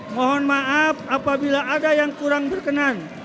mohon maaf apabila ada yang kurang berkenan